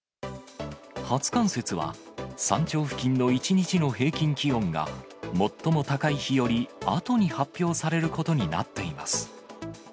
初冠雪は、山頂付近の１日の平均気温が、最も高い日よりあとに発表されることになっています。